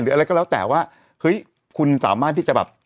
อะไรก็แล้วแต่ว่าเฮ้ยคุณสามารถที่จะแบบ